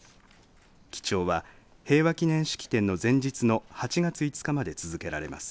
記帳は、平和記念式典の前日の８月５日まで続けられます。